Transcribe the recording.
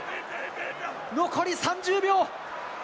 残り３０秒。